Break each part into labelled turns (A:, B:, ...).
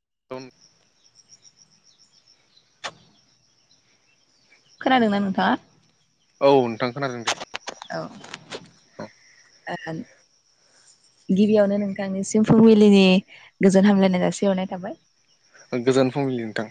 A: [unintelligible]
B: खोनादोंना नोंथाङा?
A: औ नोंथां खोनादों दे।
B: औ गिबियावनो नोंथांनिसिम फुंबिलिनि गोजोन हामलायनाय जासिहरनाय थाबाय।
A: गोजोन फुंबिलि नोंथां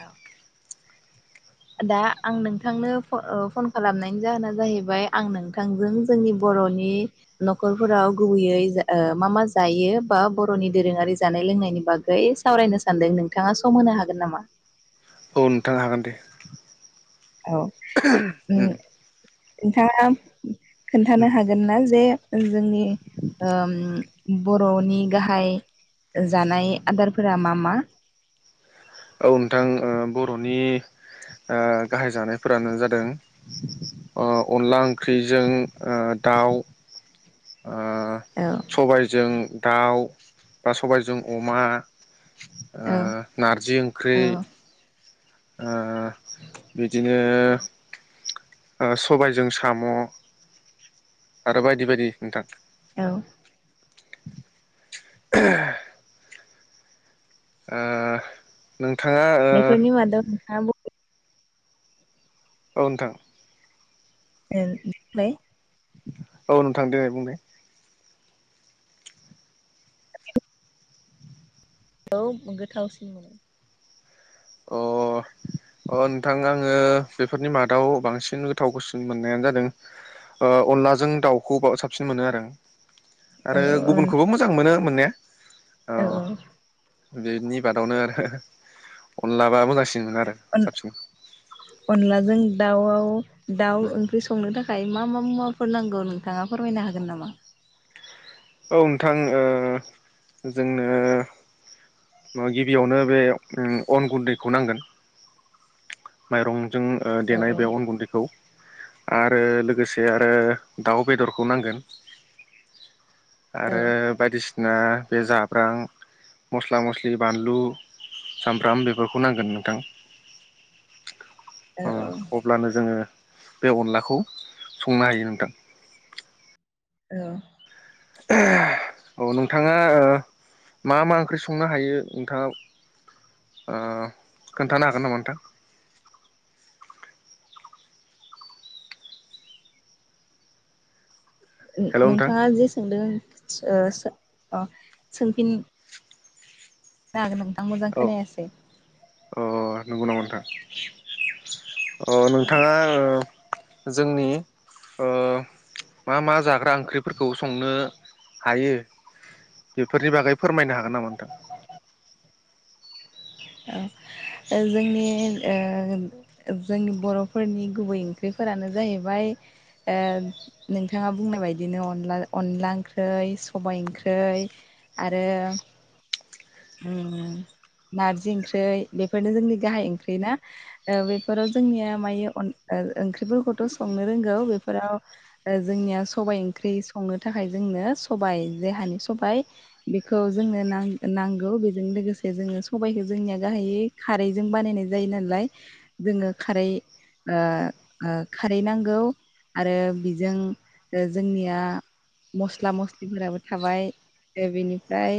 B: औ दा आं नोंथांनो फन ओ फन खालामनायनि जाहोना जाहैबाय आं नोंथांजों जोंनि बर'नि न'खरफोराव गुबैयै मा मा जायो बा बर'नि दोरोङारि जानाय लोंनायनि बागै सावरायनो सानदों नोंथाङा सम होनो हागोन नामा?
A: औ नोंथां हागोन दे
B: औ उम नोंथाङा खोन्थानो
A: उम
B: हागोन ना जे जोंनि ओ बर'नि गाहाय जानाय आदारफोरा मा मा?
A: औ नोंथां ओ बर'नि गाहाय जानायफोरानो जादों ओ अनला ओंख्रिजों ओ दाउ ओ
B: औ
A: सबायजों दाउ बा सबायजों अमा ओ
B: औ
A: नारजि ओंख्रि
B: औ
A: ओ बिदिनो
B: औ
A: सबायजों साम' आरो बायदि बायदि नोंथां।
B: औ
A: [inaudible] ओ नोंथाङा ओ
B: बेफोरनि मादाव नोंथाङा बबे
A: औ नोंथां
B: बेनिफ्राय
A: औ नोंथां देनाय बुंनाय
B: औ गोथावसिन मोनो?
A: अ अ नोंथां आङो बेफोरनि मादाव बांसिन गोथाव ्सिन मोननायानो जादों अनलाजों दाउखौ साबसिन मोनो आरो। आरो
B: औ
A: गुबुनखौबो मोजां मोनो मोननाया। अ
B: औ औ
A: बेनि बादावनो आरो अनलाबाबो मोजांसिन मोनो आरो साबसिन
B: अनलाजों दाउवाव दाउ ओंख्रि संनो थाखाय मा मा मुवाफोर नांगौ नोंथाङा फोरमायनो हागोन नामा?
A: औ नोंथां ओ जोंनो गिबियावनो बे अन गुन्दैखौ नांगोन। माइरं जों ओ
B: औ
A: देनाय बे अन गुन्दैखौ आरो लोगोसे आरो दाउ बेदरखौ नांगोन
B: औ
A: आरो बायदिसि ना बे जाब्रां मस्ला मस्लि बानलु सामब्राम बेफोरखौ नांगोन नोंथां
B: औ
A: ओ
B: औ
A: अब्लानो जोङो बे अनलाखौ संनो हायो नोंथां
B: औ
A: औ नोंथाङा ओ मा मा ओंख्रि संनो हायो नोंथाङा ओ खोन्थानो हागोन नामा नोंथां हेल' नोंथां
B: नोंथाङा जे सोंदों सो ओ सो अ सोंफिन [unintelligible]
A: औ
B: खोनायासै
A: अ नंगौ नामा नोंथां अ नोंथाङा ओ जोंनि ओ मा मा जाग्रा ओंख्रिफोरखौ संनो हायो बेफोरनि बागै फोरमायनो हागोन नामा नोंथां
B: औ जोंनि ओ जोंनि बर'फोरनि गुबै ओंख्रिफोरानो जाहैबाय ओ नोंथाङा बुंनाय बायदिनो अनला अनला ओंख्रै सबाइ ओंख्रै आरो उम नारजि ओंख्रै बेफोरनो जोंनि गाहाय ओंख्रि ना ओ बेफोराव जोंनिया मायो अन ओ ओंख्रिफोरखौथ' संनो रोंगौ बेफोराव जोंनिया सबाइ ओंख्रि संनो थाखाय जोंनो सबाइ जे हानि सबाइ बेखौ जोंनो नां नांगौ बेजों लोगोसे जोङो सबाइखौ जोंनिया गाहायै खारैजों बानायनाय जायो नालाय जोङो खारै ओ ओ खारै नांगौ आरो बिजों जोंनिया मस्ला मस्लिफोराबो थाबाय ओ बिनिफ्राय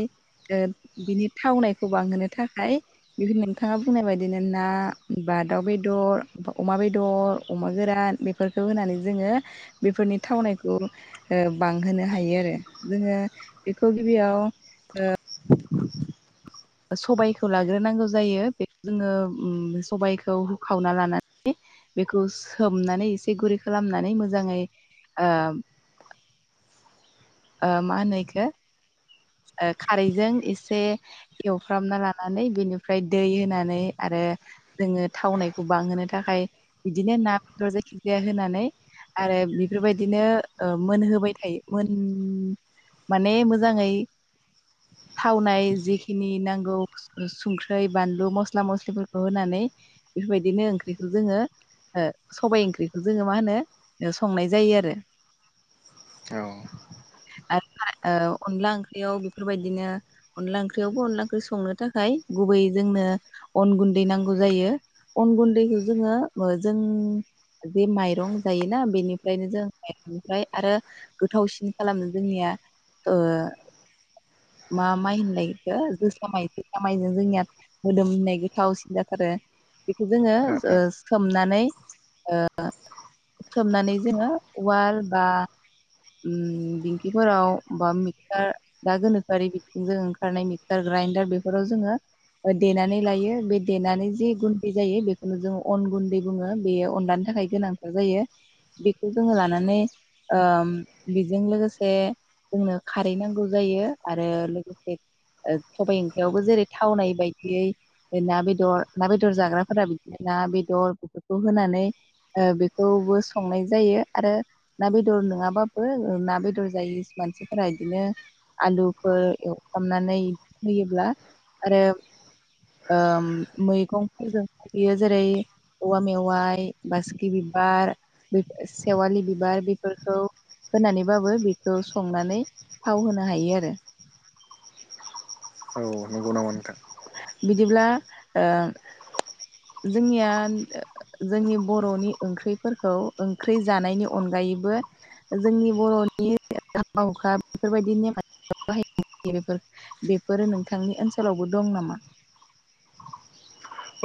B: ओ बिनि थावनायखौ बां होनो थाखाय बे नोंथाङा बुंनाय बायदिनो ना बा दाउ बेदर बा अमा बेदर अमा गोरान बेफोरखौ होनानै जोङो बेफोरनि थावनायखौ बांहोनो हायो आरो जोङो बेखौ गिबियाव ओ सबाइखौ लाग्रोनांगौ जायो बे जोङो सबाइखौ हुखावना लानानै बेखौ सोमनानै एसे गुरै खालामनानै मोजाङै ओ ओ मा होनो बेखौ ओ खारैजों एसे एवफ्रामना लानानै बेनिफ्राय दै होनानै आरो जोङो थावनायखौ बांहोनो थाखाय बिदिनो ना बेदर जायखिजाया होनानै आरो बेफोरबायदिनो ओ मोनहोबाय थायो मोन उम माने मोजाङै थावनाय जेखिनि नांगौ संख्रै बानलु मस्ला मस्लिफोरखौ होनानै बेफोरबायदिनो ओंख्रिखौ जोङो ओ सबाइ ओंख्रिखौ जोङो मा होनो संनाय जायो आरो
A: औ
B: आरो मा ओ अनला ओंख्रियाव बेफोरबायदिनो अनला ओंख्रियावबो अनला ओंख्रि संनो थाखाय गुबैयै जोंनो अन गुन्दै नांगौ जायो अन गुन्दैखौ जोङो जों जे माइरं जायोना बेनिफ्रायनो जों माइरंनिफ्राय आरो गोथावसिन खालामो जोंनिया ओ मा माइ होनो एखो जोसा माइ जोसा माइजों जोंनिया मोदोम होननाय गोथावसिन जाथारो बेखौ जोङो ओ सोमनान नै ओ सोमनानै जोङो उवाल बा ओम दिंखिफोराव बा मिक्सार दा गोनोखोआरि बिथिं जों ओंखारनाय मिक्सार ग्राइडार बेफोराव जोङो देनानै लायो बे देनानै जि गुन्दै जायो बेखौनो जोंङो अन गुन्दै बुङो बेयो अनलाानि थाखाय गोनांथार जायो बेखौ जोङो लानानै ओम बेजों लोगोसे जोंनो खारै नांगौ जायो आरो लोगोसे सबाइ ओंख्रियावबो जेरै थावनाय बायदियै ना बेदर ना बेदर जाग्राफोरा बिदिनो ना बेदर बेफोरखौ होनानै ओ बेखौबो संनाय जायो आरो ना बेदर नङाबा बो ना बेदर जायो मानसिफोरा इदिनो आलुफोर एवखनानै होयोब्ला आरो ओ मैगंफोरजों होयो जेरै औवा मेवाइ बासिखि बिबार बे सेवालि बिबार बेफोरखौ होनानैबाबो बेखौ संनानै थाव होनो हायो आरो
A: औ नंगौ नामा नोंथां
B: बिदिब्ला ओ जोंनिया जोंनि बर'नि ओंख्रिफोरखौ ओंख्रि जानायनि अनगायैबो जोंनि बर'नि हाबा हुखा बेफोरबायदि ने बाहायनाय बेफोरो नोंथांनि ओनसोलावबो दं नामा?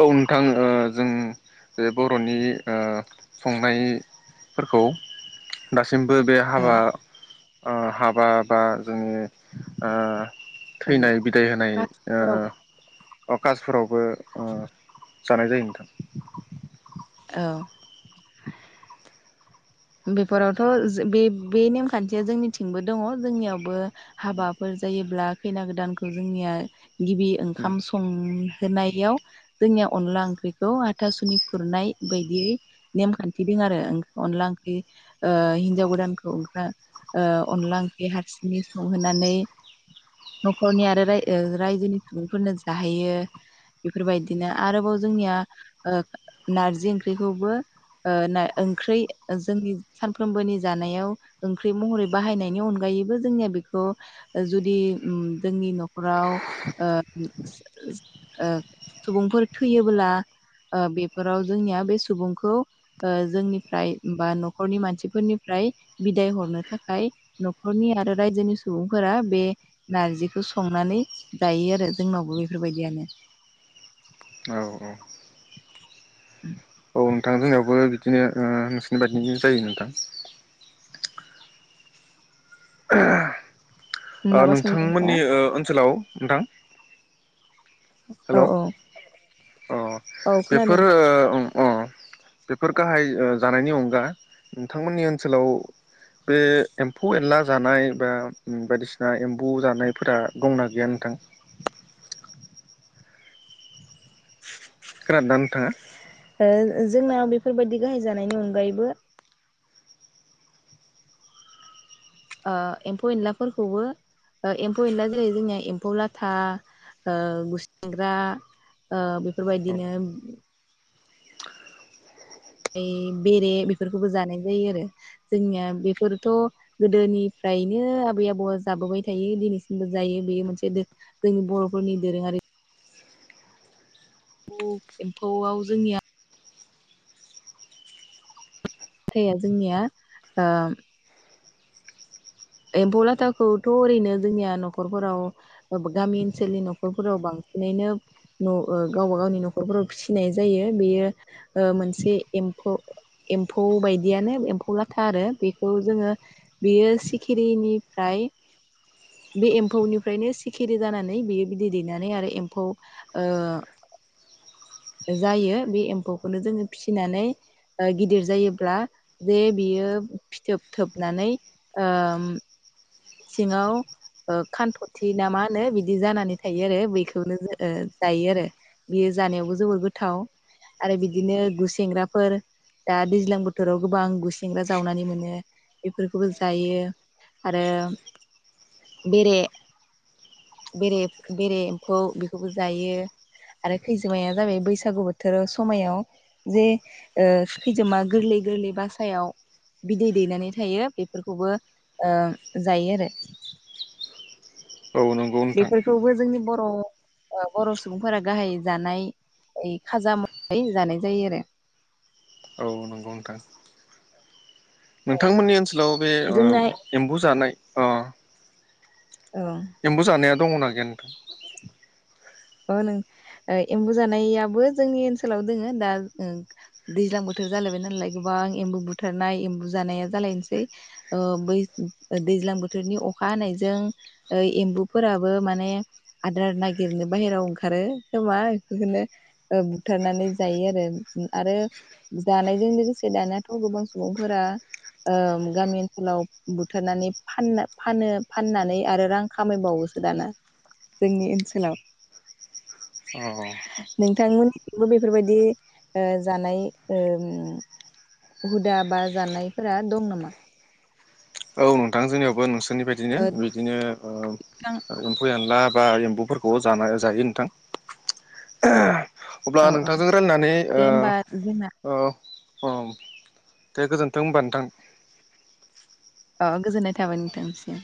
A: औ नोंथां ओ जों बे बर'नि ओ संनायफोरखौ दास सिमबो बे
B: औ
A: हाबा ओ हाबा बा जोङो ओ थैनाय बिदाय होनाय ओ
B: औ
A: अ कासफोरावबो ओ जानाय जायो नोंथां
B: औ बेफोरावथ' ओ बे बे नेमखान्थिया जोंनिथिंबो दङ जोंनियावबो हाबाफोर जायोब्ला खैना गोदानखौ जोंनिया गिबि ओंखाम संहोनायाव जोंनिया अनला ओंख्रिखौ हाथासुनि खुरनाय बायदियै नेमखान्थि दं आरो अनला ओंख्रै ख्रि ओ हिन्जाव गोदानखौ ओंख्रा ओ अनला ओंख्रि हारसिङै संहोनानै न'खरनि आरो राय ओ रायजोनि सुबुंफोरनो जाहैयो बेफोरबायदिनो आरोबाव जोंनिया ओ नारजि ओंख्रिखौबो ओ ओंख्रि ओ जोंनि सानफ्रोमबोनि जानायाव ओंख्रि महरै बाहायनायनि अनगायैबो जोंनिया बेखौ जुदि उम जोंनि न'खराव ओ ओ सुबुंफोर थैयोब्ला ओ बेफोराव जोंनिया बे सुबुंखौ ओ जोंनिफ्राय बा न'खरनि मानसिफोरनिफ्राय बिदाय हरनो थाखाय न'खरनि आरो रायजोनि सुबुंफोरा बे नारजिखौ संनानै जायो आरो जोंनावबो बेफोरबायदियानो।
A: औ औ बो बिदिनो ओ नोंसोरनि बायदिनि जायो नोंथां। [unintelligible] ओ
B: माबा सोंदों ना
A: नोंथांमोननि ओ ओनसोलाव नोंथां
B: औ औ औ खोनादों
A: बेफोरो ओ अ बेफोर गाहाय ओ जानायनि अनगा नोंथांमोननि ओनसोलाव बे एम्फौ एनला जानाय बा उम बायदिसिना एम्बु जानायफोरा गंना गैया नोंथां? खोनादोंदा नोंथाङा?
B: ओ जोंनाव बेफोरबायदि गाहाय जानायनि अनगायैबो ओ एम्फौ एनलाफोरखौबो ओ एम्फौ एनला जेरै जोंनिया एम्फौ लाथा ओ गुसेंग्रा ओ
A: औ
B: बेफोरबायदिनो ओय बेरे बेफोरखौबो जानाय जायो आरो जोंनिया बेफोरथ' गोदोनिफ्रायनो आबै आबौआ जाबोबाय थायो दिनैसिमबो जायो बेयो मोनसे दो जोंनि बर'फोरनि दोरोङारि एम्फौआव जोंनिया थैया जोंनिया ओम एम्फौ लाथाखौथ' ओरैनो जोंनिया न'खरफोराव गामि ओनसोलनि न'खरफोराव बांसिनैनो न' ओ गावबा गावनि न'खरफोराव फिसिनाय जायो बेयो ओ मोनसे एम्फौ एम्फौ बायदियानो एम्फौ लाथा आरो बेखौ जोङो बेयो सि खिरिनिफ्राय बे एम्फौनिफ्रायनो सिखिरि जानानै बेयो बिदै दैनानै आरो एम्फौ ओ जायो बे एम्फौखौनो जोङो फिसिनानै ओ गिदिर जायोब्ला जे बियो फिथोब थोबनानै ओम सिङाव ओ खान्थथि ना मा होनो बिदि जानानै थायो आरो बैखौनो जायो आरो बेयो जानायावबो जोबोर गोथाव आरो बिदिनो गुसेेंग्राफोर दा दैज्लां बोथोराव गोबां गुसेेंग्रा जावनानै मोनो बेफोरखौबो जायो आरो बेरे बेरे बेरे एम्फौ बेखौबो जायो आरो खैजोमाया जाबाय बैसागु बोथोराव समायाव जे ओ खैजोमा गोरलै गोरलै बासायाव बिदै दैनानै थायो बेफोरखौबो ओ जायो आरो
A: औ नंगौ नोंथां
B: बेफोरखौबो जोंनि बर' ओ बर' सुबुंफोरा गाहाय जानाय खाजा महरै जानाय जायो आरो।
A: औ नंगौ नोंथां नोंथांमोननि ओनसोलाव ओ बे
B: जोंना
A: एम्बु जानाय
B: औ
A: एमबु जानाया दङना गैया नोंथां?
B: अ नों ओ एम्बु जानायाबो जोंनि ओनसोलाव दोङो दा ओं दैज्लां बोथोर जालायबाय नालाय गोबां एम्बु बुथारनाय एम्बु जानाया जालायनोसै ओ बै दैज्लां बोथोरनि अखा हानायजों ओ एम्बुफोराबो माने आदार नागिरनो बाहेरायाव ओंखारो खोमा बेफोरखौनो बुथारनानै जायो आरो आरो जानायजों लोगोसे दानाथ' गोबां सुबुंफोरा ओ गामि ओनसोलाव बुथारनानै फान फानो फाननानै आरो रां खामायबावोसो दाना जोंनि ओनसोलाव।
A: अ
B: नोंथां मोननिथिंबो बेफोरबायदि ओ जानाय ओम हुदा बा जानायफोरा दं नामा?
A: बो नोंसोरनि बादिनो
B: ओ
A: बिदिनो ओ
B: नोंथां
A: एम्फौ एनला बा एम्बुफोरखौ जानाय बा जायो नोंथां। अब्ला
B: औ औ
A: नोंथांजों रायलायनानै
B: दे होमबा जोंना
A: ओ ओह दे गोजोन्थों होनबा नोंथां।
B: अ गोजोननाय थाबाय नोंथांनिसिम।